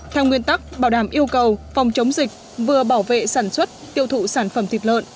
theo nguyên tắc bảo đảm yêu cầu phòng chống dịch vừa bảo vệ sản xuất tiêu thụ sản phẩm thịt lợn